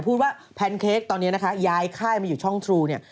พูดว่าแพนเค้กตอนนี้นะคะย้ายค่ายมาอยู่ช่องทรูเนี่ย